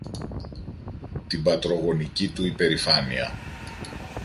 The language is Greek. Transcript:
την πατρογονική του υπερηφάνεια